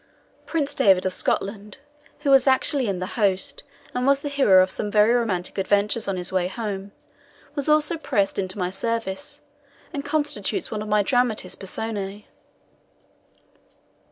Prince David of Scotland, who was actually in the host, and was the hero of some very romantic adventures on his way home, was also pressed into my service, and constitutes one of my DRAMATIS PERSONAE.